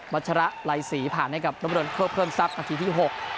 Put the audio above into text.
ัชระไรศรีผ่านให้กับนบรินเพื่อเพิ่มทรัพย์นาทีที่๖